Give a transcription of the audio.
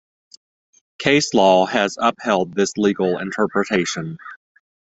Case law has upheld this legal interpretation.